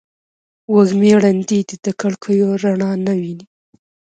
وږمې ړندې دي د کړکېو رڼا نه ویني